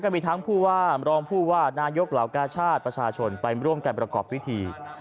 มีทั้งผู้ว่ามรองผู้ว่านายกเหล่ากาชาติประชาชนไปร่วมกันประกอบพิธี